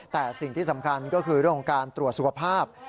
แต่สิ่งที่สำคัญก็คือเรื่องของการตรวจสุขภาพ